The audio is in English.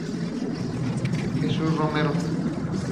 Results are presented as by the Election Commission of India.